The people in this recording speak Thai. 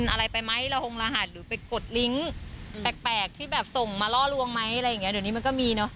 อะไรอย่างนี้เดี๋ยวนี้มันก็มีเนอะ